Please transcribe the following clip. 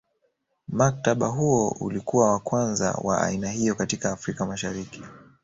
Mkataba huo ulikuwa wa kwanza wa aina hiyo katika Afrika Mashariki